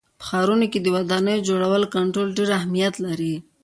په ښارونو کې د ودانیو د جوړولو کنټرول ډېر اهمیت لري.